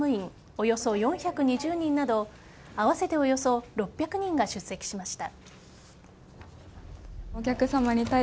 およそ４２０人など合わせておよそ６００人が出席しました。